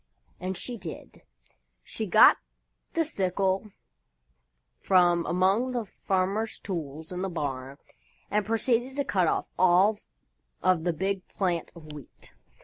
And she did. She got the sickle from among the farmer's tools in the barn and proceeded to cut off all of the big plant of Wheat.